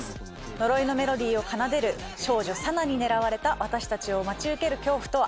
呪いのメロディーを奏でる少女さなに狙われた私たちを待ち受ける恐怖とは？